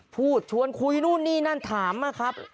พูดชวนคุยนู่นนี่นั่นถามนะครับ